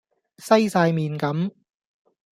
西哂面咁